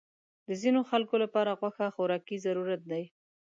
د ځینو خلکو لپاره غوښه خوراکي ضرورت دی.